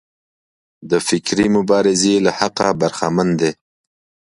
د فکري مبارزې له حقه برخمن دي.